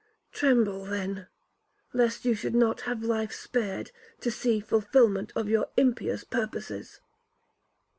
'Tremble, then, lest you should not have life spared to see the fulfilment of your impious purposes.'